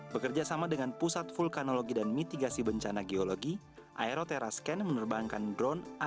bekerja sama dengan pusat vulkanologi dan mitigasi bencana geologi aero terra scan menerbangkan drone ai tiga ratus